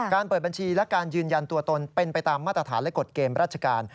เปิดบัญชีและการยืนยันตัวตนเป็นไปตามมาตรฐานและกฎเกมราชการ